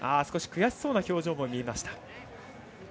少し悔しそうな表情も見えました。